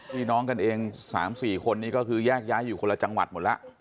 พี่น้องกันเอง๓๔คนนี้ก็คือแยกย้ายอยู่คนละจังหวัดหมดแล้ว